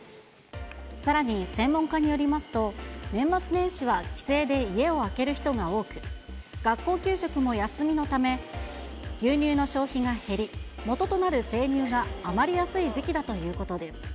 さらに専門家によりますと、年末年始は帰省で家を空ける人が多く、学校給食も休みのため、牛乳の消費が減り、元となる生乳が余りやすい時期だということです。